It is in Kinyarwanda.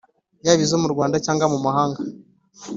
yaba izo mu Rwanda cyangwa mumahanga